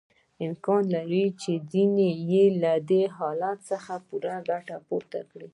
امکان لري چې ځینې یې له دې حالت څخه ګټه پورته کړي